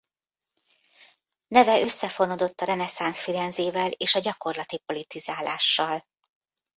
Neve összefonódott a reneszánsz Firenzével és a gyakorlati politizálással.